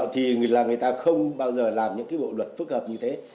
thì người ta không bao giờ làm những bộ luật phức hợp như thế